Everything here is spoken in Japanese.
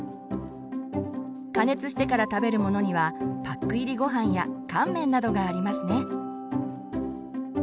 加熱してから食べるものにはパック入りごはんや乾麺などがありますね。